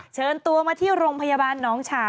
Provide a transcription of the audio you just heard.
เชิญตัวมาที่โรงพยาบาลน้องฉา